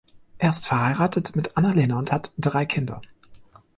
Er ist verheiratet mit Anna-Lena und hat drei Kinder.